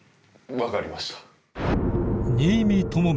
分かりました。